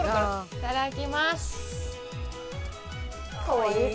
いただきます。